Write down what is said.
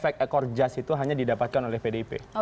pembangunan jahat itu hanya didapatkan oleh pdip